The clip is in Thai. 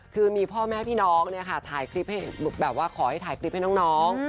คือมีพ่อแม่พี่น้องเนี่ยค่ะถ่ายคลิปให้แบบว่าขอให้ถ่ายคลิปให้น้อง